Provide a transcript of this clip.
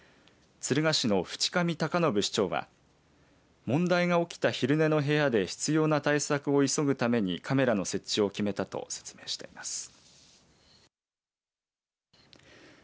敦賀市の渕上隆信市長は問題が起きた昼寝の部屋で必要な対策を急ぐためにカメラの設置を決めたと説明しています。